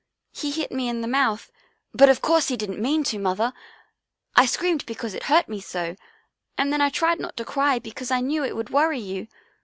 He hit me in the mouth, but of course he didn't mean to, Mother. I screamed because it hurt me so, and then I tried not to cry because I knew it would worry you.